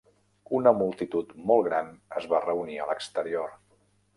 Una multitud molt gran es va reunir a l'exterior.